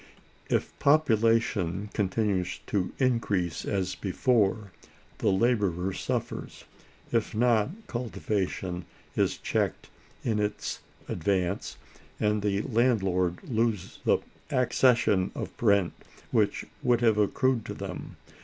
If population continues to increase as before, the laborer suffers; if not, cultivation is checked in its advance, and the landlords lose the accession of rent which would have accrued to them.